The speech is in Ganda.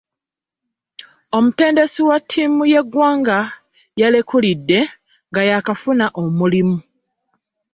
Omutendesi wa ttiimu y'eggwanga yalekulidde nga yaakafuna omulimu.